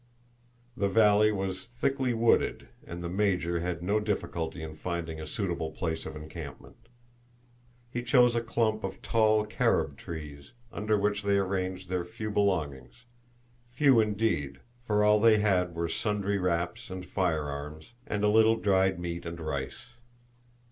The valley was thickly wooded, and the Major had no difficulty in finding a suitable place of encampment. He chose a clump of tall carob trees, under which they arranged their few belongings few indeed, for all they had were sundry wraps and fire arms, and a little dried meat and rice.